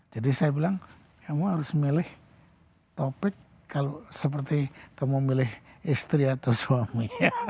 jadi saya bilang kamu harus milih topik kalau seperti kamu milih istri atau suami